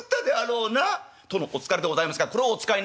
「殿お疲れでございますからこれをお使いになって」。